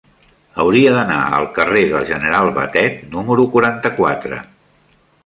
Hauria d'anar al carrer del General Batet número quaranta-quatre.